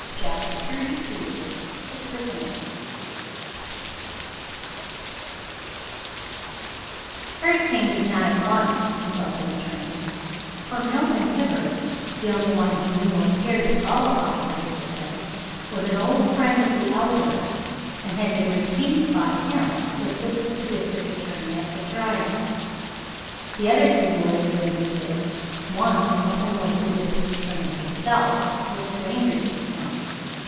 CHAPTER XXXII THE PRISONER Harry King did not at once consult an attorney, for Milton Hibbard, the only one he knew or cared to call upon for his defense, was an old friend of the Elder's and had been retained by him to assist the district attorney at the trial. The other two lawyers in Leauvite, one of whom was the district attorney himself, were strangers to him.